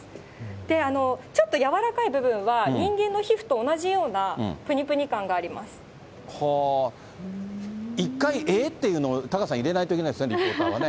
で、ちょっと柔らかい部分は、人間の皮膚と同じようなぷにぷに感があ１回、えーっていうのをタカさん、入れないといけないですね、リポーターはね。